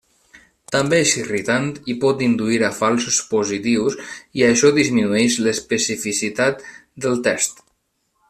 També és irritant i pot induir a falsos positius, i això disminueix l'especificitat del test.